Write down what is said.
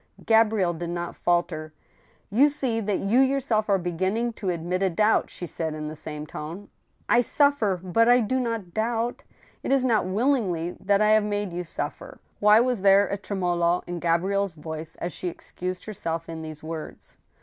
Gabrielle did not falter. " You see that you yourself are beginning to admit a doubt," she said, in the same tone. " I suffer; but I do not doubt." " It is not wilb'ngly that I have made you suffer." Why was there a tremolo in Gabrielle's voice as she excused herself in these words